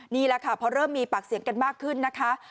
นี่แหละค่ะพอเริ่มมีปากเสียงกันมากขึ้นนะคะ